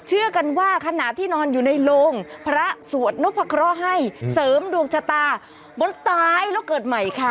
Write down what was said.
เชื่อกันว่าขณะที่นอนอยู่ในโรงพระสวดนพะเคราะห์ให้เสริมดวงชะตาบนตายแล้วเกิดใหม่ค่ะ